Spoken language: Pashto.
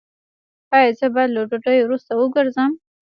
ایا زه باید له ډوډۍ وروسته وګرځم؟